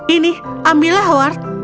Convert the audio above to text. ini ambillah howard